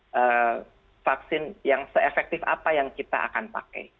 vaksin yang se efektif apa yang kita akan pakai